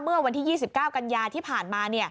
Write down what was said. เมื่อวันที่๒๙กันยาที่ผ่านมา